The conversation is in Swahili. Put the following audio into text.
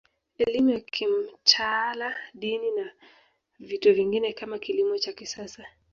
Elimu ya kimtaala Dini na vitu vingine kama kilimo cha kisasa